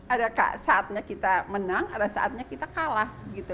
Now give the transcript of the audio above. ada saatnya kita menang ada saatnya kita kalah gitu